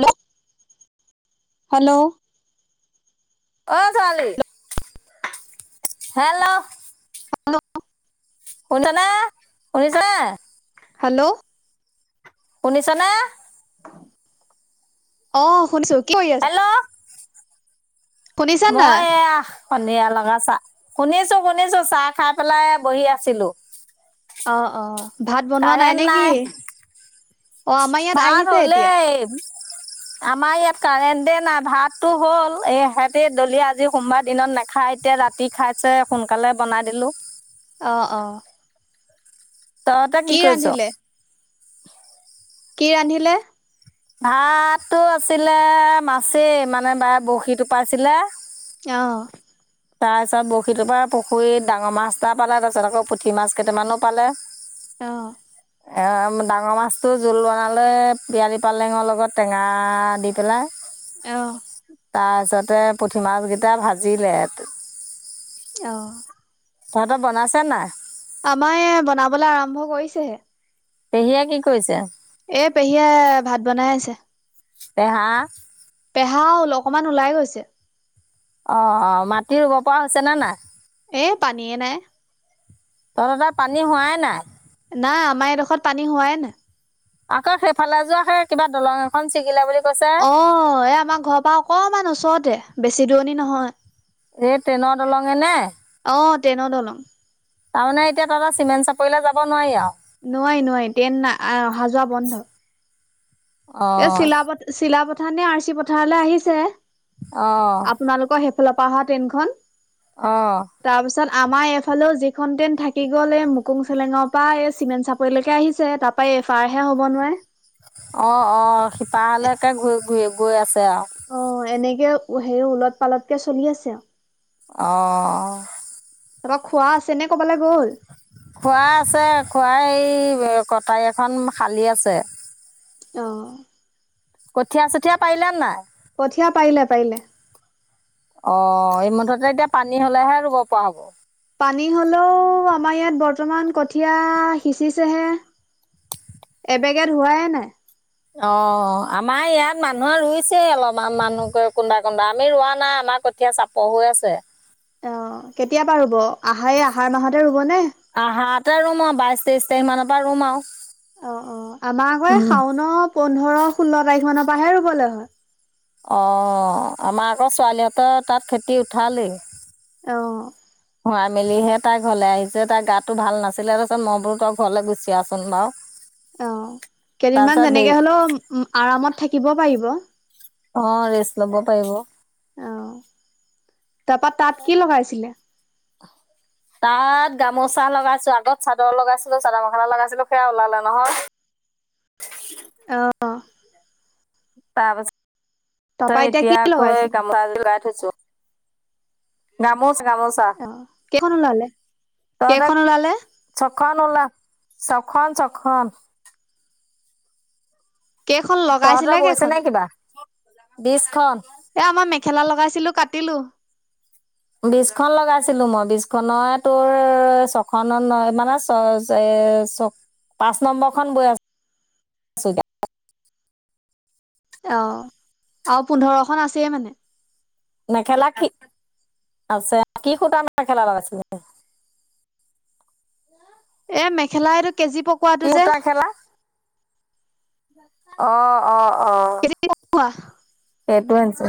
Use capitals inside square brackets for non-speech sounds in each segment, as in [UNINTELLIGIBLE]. Hello hello. অ', ছোৱালী hello. Hello. শুনিছানে শুনিছানে? হেল্ল'। শুনিছানে? অ', শুনছো কি কৰি আছে? হেল্ল' শুনিছা নাই মই এয়া সন্ধিয়া লগা চাহ শুনিছো শুনিছো চাহ খাই বহি আছিলো। অ', অ', ভাত বনোৱা নাই নে কি অ' আমাৰ ইয়াত ভাত আহিছে এতিয়া। হ'লেই [INAUDIBLE] আমাৰ ইয়াত কাৰেণ্টে নাই ভাততো হ'ল এ ইহঁতি দলিয়ে আজি সোমবাৰ দিনত নাখায় এতিয়া ৰাতি ৰুটি খাইছে সোনকালে বনাই দিলোঁ। অ', অ'। তহঁতে কি কৰিছ? কি ৰান্ধিলে? ভাতটো আছিলে মাছেই মানে বায়ে বৰশী টোপাইছিলে। অ'। তাৰপিছত বৰশীটোৰ পৰা পুখুৰীত ডাঙৰ মাছ এটা পালে তাৰপিছত আকৌ পুঠি মাছ কেইটামানো পালে। অ'। এ ডাঙৰ মাছটো জোল বনালে পিয়ালি পালেঙৰ লগত টেঙা দি পেলাই। অ'। তাৰ পিছতে পুঠি মাছ কেইটা ভাজিলে। অ'। তহঁতৰ বনাইছে নে নাই? আমাৰ এই বনাবলৈ আৰম্ভ কৰিছেহে। পেহীয়ে কি কৰিছে? এই পেহীয়ে ভাত বনাই আছে। পেহা? পেহা অকমান ওলাই গৈছে। অ', অ', মাটি ৰুব পৰা হৈছে নে নাই? এ পানীয়ে নাই। তহঁতৰ তাত পানী হোৱাই নাই? নাই আমাৰ এডোখৰত পানী হোৱাই নাই। আকৌ সেইফালে যোৱা সেই কিবা দলং এখন ছিগিলে বুলি কৈছে অ', এ আমাৰ ঘৰৰ পৰা অকমান ওচৰতে বেছি দূৰণি নহয়। এই ট্ৰেইনৰ দলঙে নে? অ', ট্ৰেইনৰ দলং। তাৰমানে এতিয়া তহঁতৰ চিমেণ্ট চাপৰিলে যাব নোৱাৰি আৰু? নোৱাৰি নোৱাৰি ট্ৰেইন আহা যোৱা বন্ধ। এই চিলাপ অঁ চিলাপথাৰ নে আৰ চি পথাৰলৈ আহিছে। অ'। আপোনালোকৰ সেইফালৰ পৰা অহা ট্ৰেইনখন। অ'। তাৰ পিছত আমাৰ এইফালেও যিখন ট্ৰেইন থাকি গ'ল এই মুকুং চেলেঙৰ পৰা এই চিমেণ্ট চাপৰিলৈকে আহিছে। তাপ পাই এফাৰহে হ'ব নোৱাই অ অ সিপাহলৈকে ঘূৰি ঘূৰি গৈ আছে আউ অ এনেকে হে ওলট পালটকে চলি আছে আউ অ তাৰপা খুৱা আছে নে ক'বালে গ'ল খুঢ়া আছে খুঢ়াই এই এ কটাই এখন খালি আছে অঁ কঠীয়া চঠীয়া পাৰিলা নে নাই কঠীয়া পাৰিলে পাৰিলে অ এই মুঠতে এতিয়া পানী হ'লেহে ৰুব পৱা হ'ব। পানী হ'লও আমাৰ ইয়াত বৰ্তমান কঠীয়া সিঁচিছেহে। এবেগেদ হোৱাই নাই। অ আমাৰ ইয়াত মানুহে ৰুইছেই অলমান মানুহকে কুনবাই কুনবাই আমি ৰোৱা নাই আমাৰ কঠীয়া চাপ। প হৈ আছে। অ কেতিয়াপা ৰুব আহাই এই আহাৰ মাহতে ৰুব নে? আহাৰতে ৰুম আউ বাইশ তেইশ তাৰিখ মানৰ পা ৰুম আউ। অ অ আমাৰ আকৌ এ শাওন পোন্ধৰ ষোল্ল তাৰিখ মানৰ পৰাহে ৰুবলৈ হয়। অ আমাৰ আকৌ ছোৱালীহঁতৰ তাত খেতি উঠালেই। এ অ। হুৱাই মেলিহে তাই ঘৰলৈ আহিছে তাই গাতটো ভাল নাছিলে তাৰছত মই বোলো তই ঘৰলৈ গুচি আহচোন বাওঁ। অ কেইদিনমান যেনেকে হলও উ উম আৰামত থাকিব পাৰিব। অ ৰেচ লৱ পাৰিব। অ তাপা তাত কি লগাইছিলে? তাত গামোচা লগাইছো আগত চাদৰ লগাইছিলো চাদৰ মেখেলা লগাইছিলো সেয়া ওলালে নহয়। অ। তাৰ তাৰপা পাছত কি এতিয়া আকৌ লগাইছে এ গামোচা এজো লগাই থৈছোঁ। গামোচ গামোচ। অ কেইখন ওলালে তহঁতে কেইখন ওলালে? ছখন ওলা ছখন ছখন। কেখন তহঁতৰ লগাইছিলে বৈছে কেখন? নে কিবা বিশখন এয়া মই মেখেলা লগাইছিলো কাটিলোঁ। বিছখন লগাইছিলো মই বিছ খনয়ে তোৰ ছখনত নয় মানেচ চয় চে চ পাঁচ নম্বৰ খন বয় আছ ছ য [INAUDIBLE] অ আওঁ পোন্ধৰখন আছেই মানে? মেখেলা কি আছে কি সূতা মেখেলা লগাইছিলে? এ মেখেলা এইটো কেজি পক কি সূতাৰ খেলা অ অ অ। [INAUDIBLE] এইটো আনিছে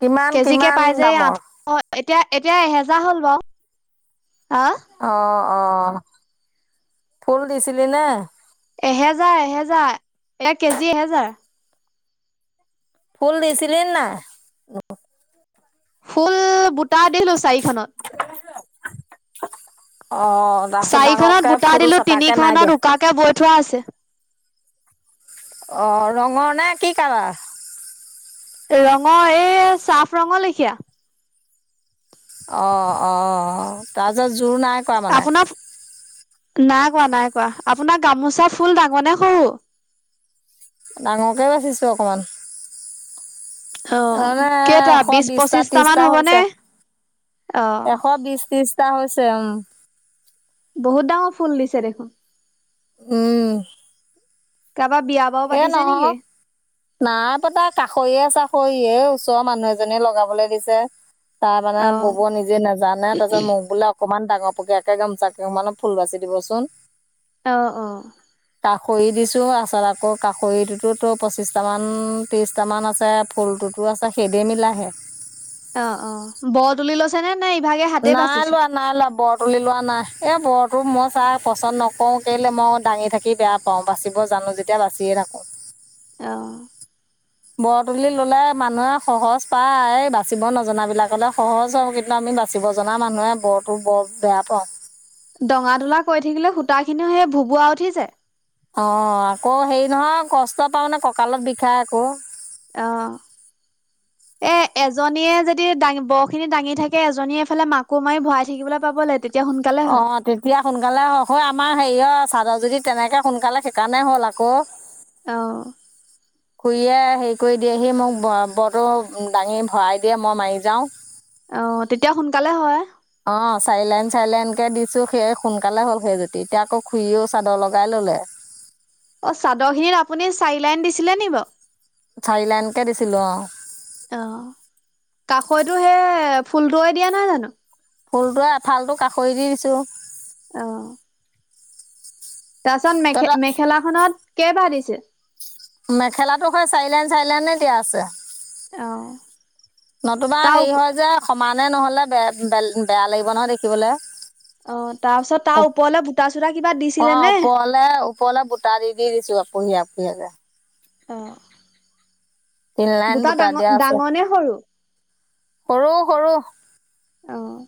কিমান কিমান দামৰ? অ এতিয়া এতিয়া এহেজাৰ হল বাও আ অ অ ফুল দিছিলি নে? এহেজাৰ এহেজাৰ এয়া কেজি এহেজাৰ। ফুল দিছিলি নাই? ফুল বুটা দিলো চাৰিখনত। অঁ' চাৰিখনত বুটা দিলো তিনিখনত উকাকে বৈ থোৱা আছে। অঁ ৰঙৰ নে কি কালাৰ? ৰঙৰ এই চাফ ৰঙৰ লেখিয়া। অঁ অঁ তাজে জোৰ নাই। কৰা মানে আপোনাৰ নাই কোৱা নাই কোৱা, আপোনাৰ গামোচা ফুল ডাঙনে সৰু? ডাঙৰকে বাচিছোঁ অকমান। অ মানে কেইটা এশ বিশ বিশটা পঁচিশটা মান ত্ৰিশটা হ'বনে হৈছে। অ এশ বিশ ত্ৰিশটা হৈছে উম। বহুত ডাঙৰ ফুল দিছে দেখোন। উম'। কাবাৰ বিয়া- বাৰু এ ন। পাতিছে নেকি নাই পতা কাষৈয়ে চাখৈয়ে এই ওচৰ মানুহ এজনীয়ে লগাবলে দিছে। তাৰ মানে অ বব নিজে নাজানে তপিছত মোক বোলক- অকমান ডাঙৰ পকীয়াকে গোমোচাকেখন মানত ফুল বাচি দিবচোন। অ' অ' কাখৰি দিছো আচত আকৌ- কাষৰিটোটো পঁচিছটামান ত্ৰিছটামান আছে ফুলটোতো আছে সেইদে মিলাইহে। অঁ অঁ ব তুলি লৈছে নে নে ইভাগে হাতে নাই বাচিছে? লোৱা নাই লৱা বৰ তুলি লোৱা নাই, এই বৰটো মই চা পচন্দ নকৰো কেলে মই দাঙি থাকি বেয়া- পওঁ, বাচিব জানো যেতিয়া বাচিয়ে থাকো। অঁ' বৰ তুলি ললে মানুহে সহজ পায় বাচিব নজাবিলাকলে সহজ হব, কিন্তু আমি বাচি- চিব জনা মানুহে বৰটো বৰ বেয়া পাওঁ। দঙা তোলা কৰি থাকিলে সূতা খিনিও সেই ভুবুৱা উঠি যায়। অঁ আকৌ হেৰি নহয় কষ্ট পাওঁ নে কঁকালত বিষায় আকৌ। অঁ' এ এজনীয়ে যদি দাঙ বৰ খিনি দাঙি থাকে এজনীয়ে এফালে মাকো মাৰি ভৰাই থাকিবলৈ পাব লাগে। তেতিয়া সোনকালে হয়। অঁ তেত- তিয়া সোনকালে হয় ক, আমাৰ হেৰিয় চাদৰ যুতি তেনেকে সোনকালে সেইকাৰণে হ'ল আকৌ। অঁ' খুৰীয়ে হেৰি কৰি দিয়েহি মোক বটো দাঙি ভৰাই দিয়ে মই মাৰি যাওঁ। অঁ তেতিয়া সোনকালে হয়। অঁ চাৰি লাইন চাৰি লাইনকে দিছো সেই সোনকালে হ'ল সেই যুতি, এতিয়া আকৌ খুৰিও চাদৰ লগাই ললে। অঁ চাদৰ খিনিত আপুনি চাৰি লাইন দিছিলে নি বাৰু? চাৰি লাইনকে দিছিলো অঁ। অঁ কাষৈতো সে ফুলটোৱে দিয়া নহয় জানো? ফুলতোৱে এফালটো কাষৰি দি দিছো। অঁ' তাপাছত মেখে তহঁতৰ মেখেলাখনত কেই বাৰ দিছে? মেখেলাটো হেই চাৰি লাইন চাৰি লাইনে দিয়া আছে। অঁ' নতুবা হেৰি হয় যে সমানে নহলে বে বেল বেয়া লাগিব নহয় দেখিবলে। অ' তাৰ পিছত তাৰ ওপৰলে বুটা চুটা কিবা দিছিলে অঁ নে? [UNINTELLIGIBLE] ওপৰলে বুটা দি-দি দিছোঁ, আকুহি-আকুহিয়াকে। অ'! তিনি লাইন বুটা ডাঙ- ডাঙৰ নে সৰু? সৰু-সৰু। অ'!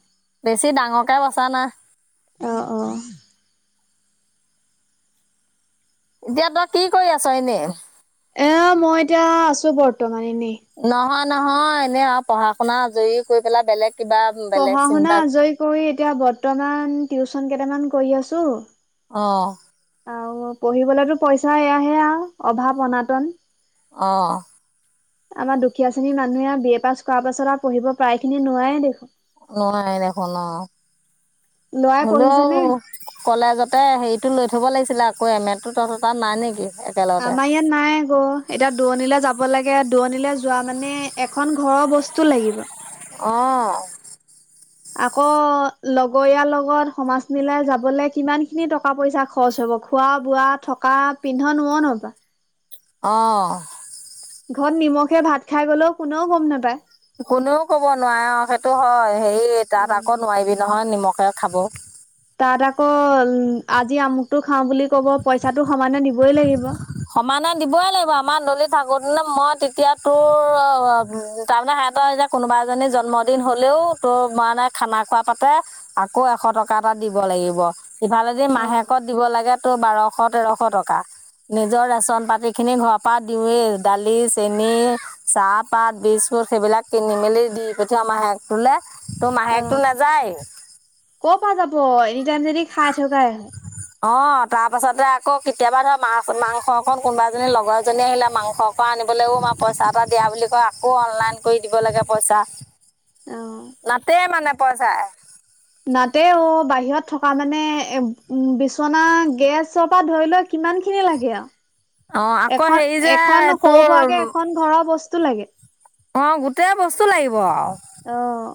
বেছি ডাঙৰকে বচা নাই। অ' অ'! এতিয়া তই, কি কৰি আছ এনেই? এ, মই এতিয়া আছোঁ বৰ্তমান, এনেই। নহয়-নহয়, এনে আৰু পঢ়া-শুনা আজৰি কৰি পেলাই, বেলেগ কিবা? বেলেগ পঢ়া-শুনা চিন্তা আজৰি কৰি, এতিয়া বৰ্তমান, টিউচন কেইটামান কৰি আছোঁ। অ'! আৰু পঢ়িবলৈতো, পইচা এয়াহে আৰু অভাৱ- অনাতন! অ'! আমাৰ দুখীয়া শ্ৰেণীৰ মানুহে আৰু বি এ পাছ কৰাৰ পাছত আৰু পঢ়িব প্ৰায় খিনি, নোৱৰেই দেখোন! [UNINTELLIGIBLE] লৰাই হ'লেও পঢ়িছেনে? কলেজতে সেৰিটো লৈ থ'ব লাগিছিলে, আকৌ এম এটো। তহঁতৰ তাত নাই নেকি? একেলগতে আমাৰ ইয়াত নাই, [UNINTELLIGIBLE] এতিয়া, দুৰণিলে যাব লাগে, দূৰণিলে যোৱা মানে, এখন ঘৰৰ বস্তু লাগিব। অ'! আকৌ, লগৰীয়াৰ লগত সমাজ মিলাই যাবলে, কিমান খিনি টকা পইচা খৰচ হ'ব! খোৱা-বোৱা, থকা পিন্ধন -উৰণপা। অ'! ঘৰত নিমখে ভাত খাই গলেও, কোনেও গম নাপায়। কোনেও ক'ব নোৱাৰে, অ'! সেইটো হয়। সেৰি, তাত নাপায়। আকৌ, নোৱাৰিবি নহয়, নিমখে খাব। তাত আকৌ, আজি আমুকটো খাওঁ বুলি ক'ব, পইচাটো সমানে দিবই লাগিব। সমানে দিবই লাগিব। আমাৰ [UNINTELLIGIBLE] থাকোঁতে নে, মই তেতিয়া তোৰ, অ' তাৰমানে সেহঁতৰ এতিয়া, কোনোবা এজনী জন্মদিন হ'লেও, তোৰ মানে, খানা খোৱা পাতে আকৌ, এশ টকা এটা দিব লাগিব। ইফালে যদি, মাহেকত দিব লাগে, তোৰ বাৰশ- তেৰশ টকা। নিজৰ ৰেচন পাতিখিনি ঘৰৰ পৰা দিওঁৱেই, দালি, চেনি, চাহপাত, বিস্কুট, সেইবিলাক কিনি মেলি দি পঠিয়াও, মাহেকটোলে। তোৰ অ মাহেকটো নাযায়। ক'ৰ পৰা যাব, এনি টাইম যদি খাই থকাই। অ'! তাৰপাছতে আকৌ, কেতিয়াবা ধৰ, মাছ-মাংস অকন কোনোবা এজনী, লগৰ এজনী আহিলে, মাংস স আনিবলও [UNINTELLIGIBLE] পইচা এটা দিয়া বুলি কয়। আকৌ, অনলাইন কৰি দিব লাগে, পইচা। [INAUDIBLE] অ', নাতে মানে পইচাই। নাতে অ'! বাহিৰত থকা মানে, এ, বিচনা, গেছ পৰা ধৰি লৈ কিমান খিনি লাগে আৰু? অ' আকৌ এখন, হেৰি যে এখন সৰু তোৰ -সুৰাকে এখন ঘৰৰ বস্তু লাগে। অ'! গোটেই বস্তু লাগিব আৰু। অ'!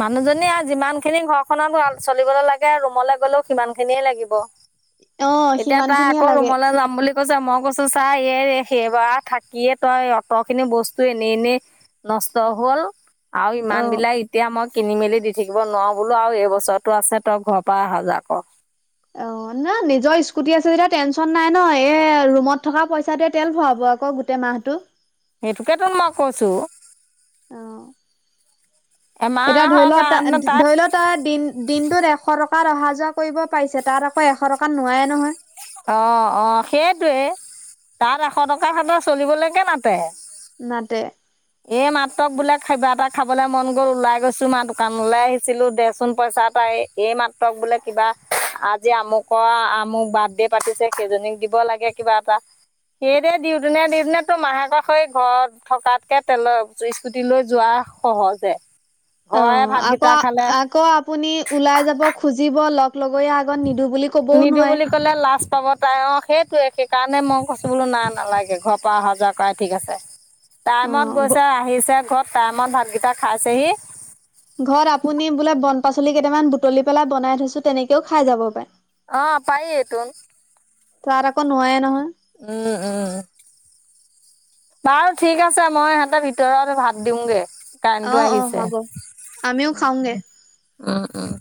মানুহজনী আৰু যিমান খিনি, ঘৰখনত চলিবলৈ লাগে আৰু ৰুমলৈ গলেও, সিমান খিনিয়ে লাগিব। অ', এতিয়া, সিমান তাই খিনিয়ে আকৌ, লাগে ৰুমলৈ যাম বুলি কৈছে। মই কৈছোঁ চা, এই, সেইবাৰ থাকিয়ে তই, অ'ত খিনি বস্তু এনে-এনে নষ্ট হল আও অ ইমান বিলাক ই এতিয়া মই কিনি মেলি দি থাকিব নোৱাও বোলো আও এইবছৰতো আছে তই ঘপা অহা যোৱা ক। অ, না নিজৰ স্কুটি আছে যেতিয়া টেনশচন নাই ন। এ ৰুমত থকা পইচাটোৱে তেল ভৰাব আকৌ গোট টে মাহটো। সেটোকেত মই কৈছো। অ এতিয়া ধৰি এমাহৰ ল, তা কাৰণে তাত ধৰি ল তা দিন দিনটোত এশ টকাত অহা যোৱা কৰিব পাৰিছে। তাত আকৌ এশ টকা নোৱায় নহয়। অ অ সেইটোৱে। তাত এশ টকা হেত চলিবলৈকে নাতে। নাতে। এই মাত্ৰক বোলে কিবা এটা খাবলে মন গ'ল, ওলাই গৈছো মা দোকানলৈ আহিছিলো, দেচোন পইচা এই মাত্ৰক বোলে কিবা আজি আমুকৰ আমুক বাৰ্থডে পাতিছে কেইজনীক দিব লাগে কিবা এটা। সেই দে দিও তিনে দিও তিনে তো মাহেক হৈ ঘৰত থকাতকে তেল স্কুটি লৈ যোৱা সহজে। অ, ঘৰৰে আকৌ ভাতকেইটা খালে আকৌ আপুনি ওলাই যাব খুজিব লগ লগৈয়া ত নিদো বুলি ক'বও নিদিওঁ নোৱায়। বুলি কলে লাজ পাব তাই। অ সেইটোৱে, সেইকাৰণে মই কৈছো বোলো না নালাগে। ঘপা অহা যোৱা কৰাই ঠিক আছে। [INAUDIBLE] টাইমত গৈছে আহিছে ঘত, টাইমত ভাতকিটা খাইছেহি। ঘত আপুনি বোলে বন পাচলি কেইটামান বুটলি পেলাই বনাই থৈছো, তেনেকেও খাই যাব পাই। অ, পায়ে তুন। তাত আকৌ নোৱায় নহয়। উম। উম। বাৰু ঠিক আছে, মই সেতে ভিতৰত ভাত দিওঁগে। অ কাৰেণ্টো অ আহিছে। হ'ব আমিও উম খাওঁগে। উম, উম উম।